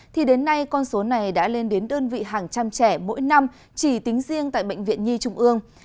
thì đến nay con số này đã lên đến đơn vị hàng trăm trẻ mỗi năm chỉ tính riêng tại bệnh viện nhi trung ương